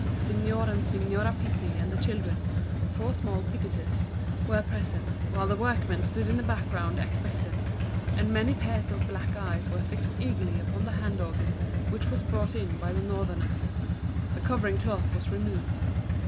Signer and Signora Pitti and the children, four small Pittises, were present, while the workmen stood in the background ex pectant, and many pairs of black eyes were fixed eagerly upon the hand organ which was brought in by the Northerner. The covering cloth was removed.